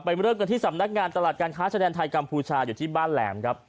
เริ่มกันที่สำนักงานตลาดการค้าชายแดนไทยกัมพูชาอยู่ที่บ้านแหลมครับ